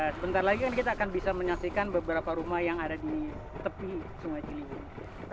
sebentar lagi kan kita akan bisa menyaksikan beberapa rumah yang ada di tepi sungai ciliwung